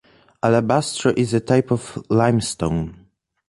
Alabastro is a type of limestone.